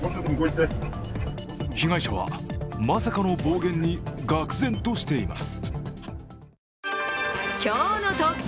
被害者は、まさかの暴言にがく然としています。